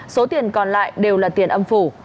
số tiền còn lại đều là tiền âm phủ